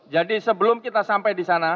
jadi sebelum kita sampai disana